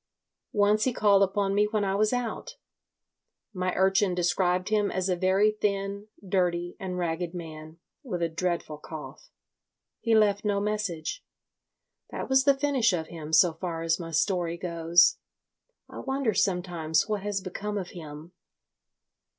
Once he called upon me when I was out. My urchin described him as a very thin, dirty, and ragged man, with a dreadful cough. He left no message. That was the finish of him so far as my story goes. I wonder sometimes what has become of him.